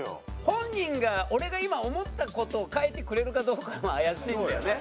本人が俺が今思った事を書いてくれるかどうかも怪しいんだよね。